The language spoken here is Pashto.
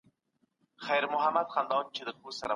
د ژبپوهنې او ادبیاتو اړیکي ډېرې روښانه او ښکاره دي.